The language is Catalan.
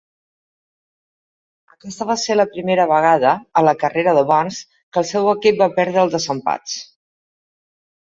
Aquesta va ser la primera vegada a la carrera de Burns que el seu equip va perdre els desempats.